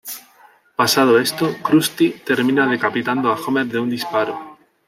Pasado esto, Krusty termina decapitando a Homer de un disparo.